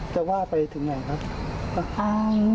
จะว่าไปถึงไหนครับ